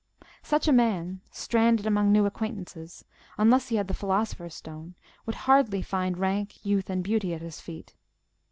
Such a man, stranded among new acquaintances, unless he had the philosopher's stone, would hardly find rank, youth, and beauty at his feet.